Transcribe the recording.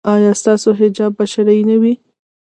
ایا ستاسو حجاب به شرعي نه وي؟